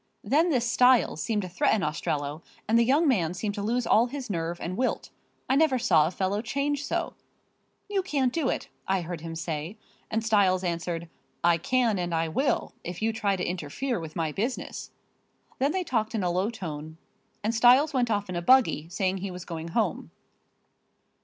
Then this Styles seemed to threaten Ostrello and the young man seemed to lose all his nerve and wilt. I never saw a fellow change so. 'You can't do it!' I heard him say and Styles answered: 'I can and I will, if you try to interfere with my business.' Then they talked in a low tone and Styles went off in a buggy, saying he was going home.